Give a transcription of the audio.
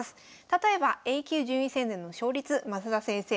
例えばＡ級順位戦での勝率升田先生